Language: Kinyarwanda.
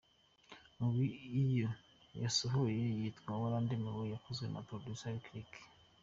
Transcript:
Ubu iyo yasohoye yitwa ‘Warandemewe’ yakozwe na Producer Lick Lick.